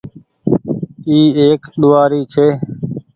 اي ايڪ ڏوهآري ڇي۔